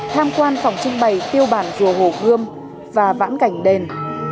tham quan phòng trinh bày tiêu bản rùa hồ gươm và vãn cảnh đền